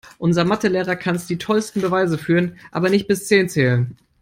Unser Mathe-Lehrer kann die tollsten Beweise führen, aber nicht bis zehn zählen.